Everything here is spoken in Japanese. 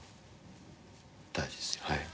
大事ですよね？